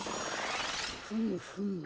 ふむふむ。